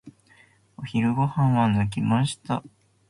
お昼ご飯は抜きました。